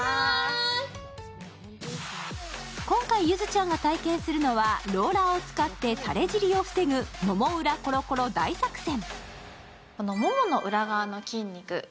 今回、ゆずちゃんが体験するのはローラーを使ってたれ尻を防ぐ、もも裏コロコロ大作戦。